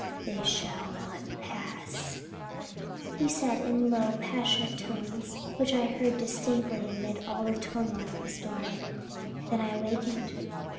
'They shall not pass,' he said, in low, passionate tones which I heard distinctly amid all the turmoil of the storm. Then I awakened.